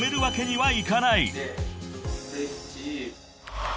はい。